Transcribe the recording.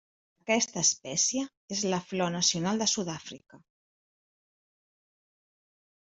Aquesta espècie és la Flor Nacional de Sud-àfrica.